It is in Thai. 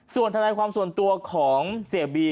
ส่วนทนายความส่วนตัวของเสียบี